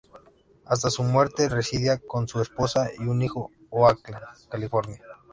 Hasta su muerte residía con su esposa y un hijo en Oakland, California.